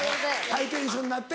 ハイテンションになって。